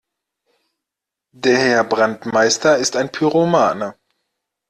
Der Herr Brandmeister ist ein Pyromane.